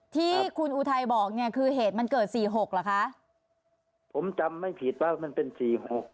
ที่คุณอุทัยบอกเนี่ยคือเหตุมันเกิดสี่หกเหรอคะผมจำไม่ผิดว่ามันเป็นสี่หก